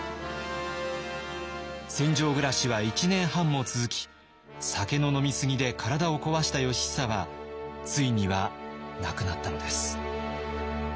戦場暮らしは１年半も続き酒の飲み過ぎで体を壊した義尚はついには亡くなったのです。